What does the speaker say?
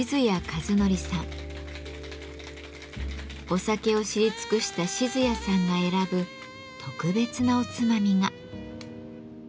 お酒を知り尽くした静谷さんが選ぶ特別なおつまみが。